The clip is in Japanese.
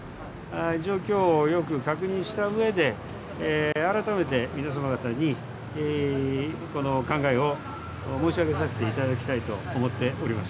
状況をよく確認したうえで改めて皆様方にこの考えを申し上げさせていただきたいと思っております。